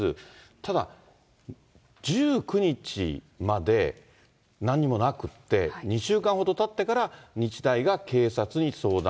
ただ、１９日までなんにもなくって、２週間ほどたってから、日大が警察に相談。